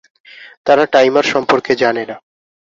তারা টাইমার সম্পর্কে জানে না।